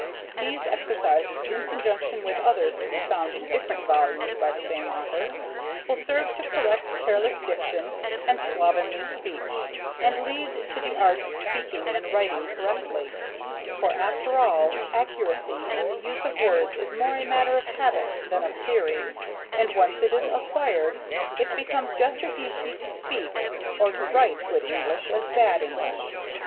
These exercises, in conjunction with others to be found in different volumes by the same author, will serve to correct careless diction and slovenly speech, and lead to the art of speaking and writing correctly; for, after all, accuracy in the use of words is more a matter of habit than of theory, and once it is acquired it becomes just as easy to speak or to write good English as bad English.